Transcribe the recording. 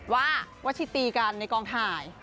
ว่าวัชิตีกันในกองถ่าย